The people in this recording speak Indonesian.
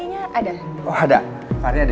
nya ada oh ada fahri ada